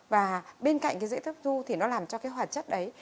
và bên cạnh cái dễ hấp thu thì nó làm cho cái hoạt chất đấy